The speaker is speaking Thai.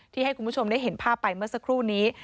ให้คุณผู้ชมได้เห็นภาพไปเมื่อสักครู่นี้